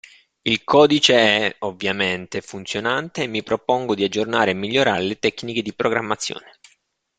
Il codice è, ovviamente, funzionante e mi propongo di aggiornare e migliorare le tecniche di programmazione.